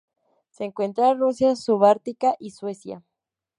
Se encuentra en Rusia sub-ártica y Suecia.